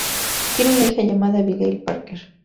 Tienen una hija llamada Abigail Parker.